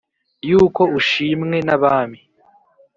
y'uko ushimwe n'abami,